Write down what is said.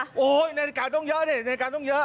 โอ้โฮนาฬิกาต้องเยอะนี่นาฬิกาต้องเยอะ